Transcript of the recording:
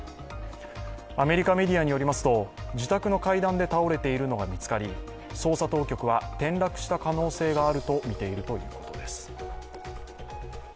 アメリカメディアによりますと、自宅の階段で倒れているのが見つかり、捜査当局は転落した可能性があるとみているということです。